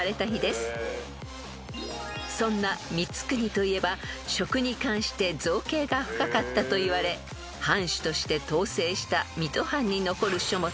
［そんな光圀といえば食に関して造詣が深かったといわれ藩主として統制した水戸藩に残る書物